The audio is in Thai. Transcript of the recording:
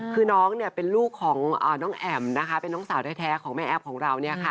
คือน้องเป็นลูกของน้องแอ๋มนะคะเป็นน้องสาวแท้ของแม่แอฟของเรา